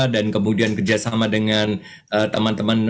dan kemudian kerjasama dengan teman teman